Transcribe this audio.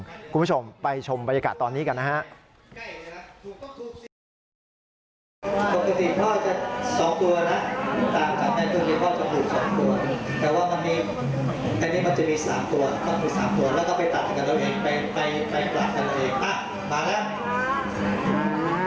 คุณผู้ชมไปชมบรรยากาศตอนนี้กันนะฮะ